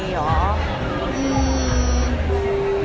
อือ